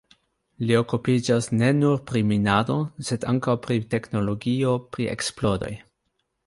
Li okupiĝas ne nur pri minado, sed ankaŭ pri teknologio pri eksplodoj.